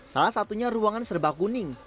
salah satunya ruangan serba kuning